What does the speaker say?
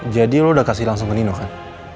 jadi lo udah kasih langsung ke nino kan